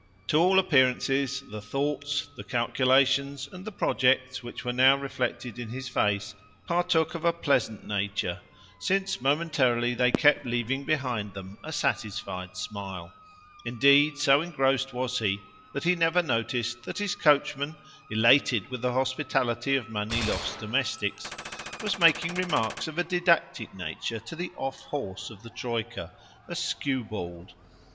To all appearances the thoughts, the calculations, and the projects which were now reflected in his face partook of a pleasant nature, since momentarily they kept leaving behind them a satisfied smile. Indeed, so engrossed was he that he never noticed that his coachman, elated with the hospitality of Manilov's domestics, was making remarks of a didactic nature to the off horse of the troika , a skewbald.